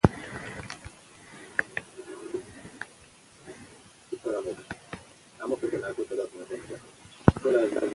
هغه وویل چې د سپکو خوړو مصرف هر کال زیاتېږي.